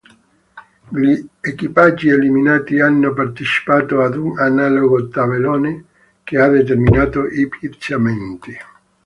Gli equipaggi eliminati hanno partecipato ad un analogo tabellone che ha determinato i piazzamenti.